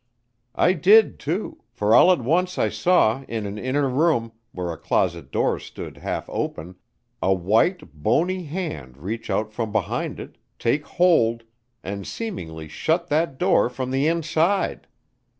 I did, too, for all at once I saw in an inner room, where a closet door stood half open, a white, bony hand reach out from behind it, take hold, and seemingly shut that door from the inside!